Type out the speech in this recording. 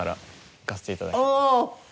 おお！